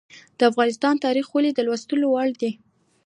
د افغانستان تاریخ ولې د لوستلو وړ دی؟